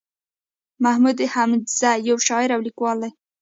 محمود حميدزى يٶ شاعر او ليکوال دئ